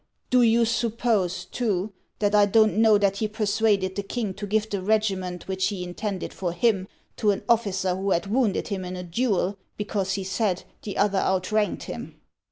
" Do you suppose, too, that I don't know that he per suaded the king to give the regiment which he intended for him, to an officer who had wounded him in a duel, because, he said, the other outranked him